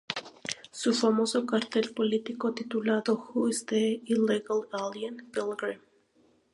Su famoso cartel político titulado "Who's the Illegal Alien, Pilgrim?